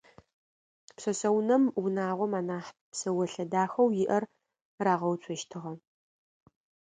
Пшъэшъэунэм унагъом анахь псэолъэ дахэу иӏэр рагъэуцощтыгъэ.